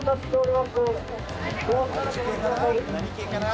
何系かな？